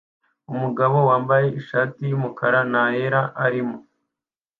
Umugabo wambaye ishati yumukara na yera arimo